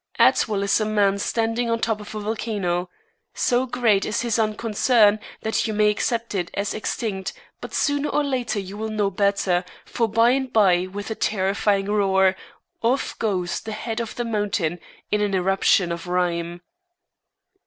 Atwill is a man standing on top of a volcano. So great is his unconcern that you may accept it as extinct, but sooner or later you will know better, for by and by, with a terrifying roar, off goes the head of the mountain in an eruption of rhyme.